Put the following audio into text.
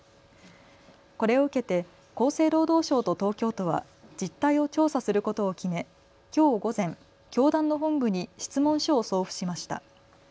これを受けて厚生労働省と東京都は実態を調査することを決め、きょう午前、教団の本部に質問書を送付しました。